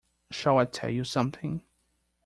Shall I tell you something?